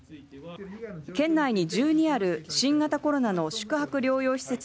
県内に１２ある新型コロナウイルス